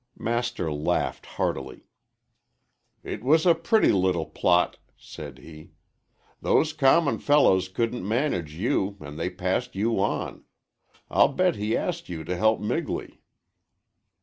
Master laughed heartily. "It was a pretty little plot," said he. "Those common fellows couldn't manage you, and they passed you on. I'll bet he asked you to help Migley."